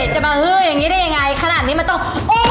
จะมาฮืออย่างนี้ได้ยังไงขนาดนี้มันต้อง